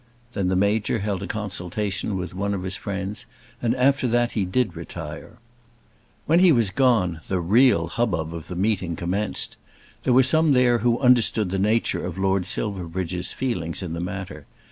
Then the Major held a consultation with one of his friends, and after that did retire. When he was gone the real hubbub of the meeting commenced. There were some there who understood the nature of Lord Silverbridge's feelings in the matter.